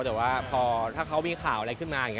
แต่ว่าพอถ้าเขามีข่าวอะไรขึ้นมาอย่างนี้